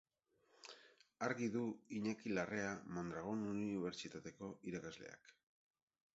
Argi du Iñaki Larrea Mondragon Unibertsitateko irakasleak.